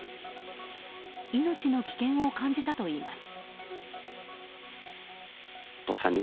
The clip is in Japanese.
命の危険を感じたといいます。